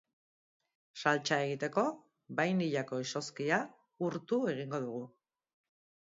Saltsa egiteko bainillako izozkia urtu egingo dugu.